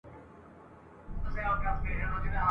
سره او شنه یې وزرونه سره مشوکه..